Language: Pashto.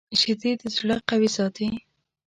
شیدې د زړه قوي ساتي